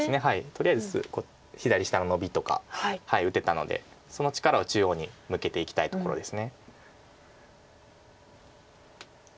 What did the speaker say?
とりあえず左下のノビとか打てたのでその力を中央に向けていきたいところです。